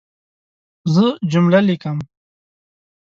زه جمله لیکم.